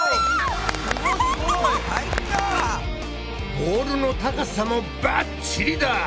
ボールの高さもバッチリだ！